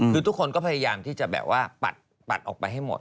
พิงกี้มั้ยที่จะแบบว่าปัดออกไปให้หมด